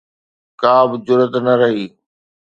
ڪا به جرئت نه رهي